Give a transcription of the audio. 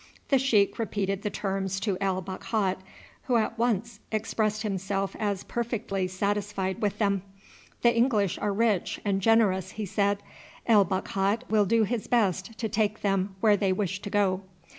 The sheik repeated the terms to El Bakhat, who at once expressed himself as perfectly satisfied with them. "The English are rich and generous," he said. "El Bakhat will do his best to take them where they wish to go."